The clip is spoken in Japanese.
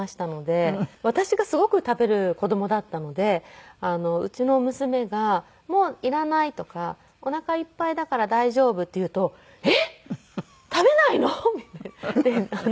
私がすごく食べる子供だったのでうちの娘が「もういらない」とか「おなかいっぱいだから大丈夫」って言うと「えっ？食べないの？」って両親が驚いて。